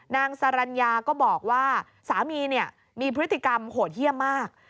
นางสรรญาก็บอกว่าสามีมีพฤติกรรมโหดเยี่ยมมาก